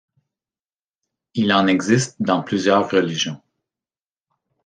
Il en existe dans plusieurs religions.